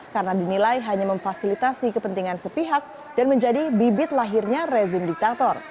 karena dinilai hanya memfasilitasi kepentingan sepihak dan menjadi bibit lahirnya rezim diktator